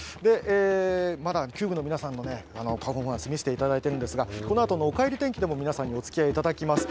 まだ球舞の皆さんのパフォーマンス、見せていただいているんですが、このあとのおかえり天気ても皆さんにお伝えいただきます。